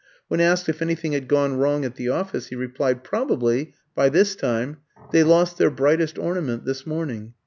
When asked if anything had gone wrong at the office, he replied, "Probably by this time. They lost their brightest ornament this morning.